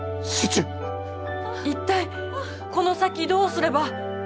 一体この先どうすれば。